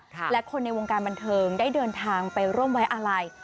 และคนในวงการบันเทิงได้เดินทางไปร่วมไว้อาลัย